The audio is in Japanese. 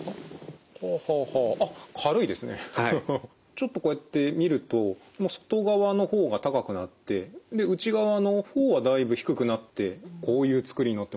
ちょっとこうやって見るとこの外側の方が高くなって内側の方はだいぶ低くなってこういう作りになってますけど。